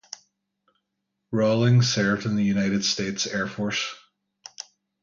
Rawlings served in the United States Air Force.